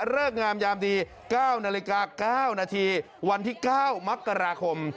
เริ่มงามยามดี๙นาฬิกา๙นาทีวันที่๙มกราคม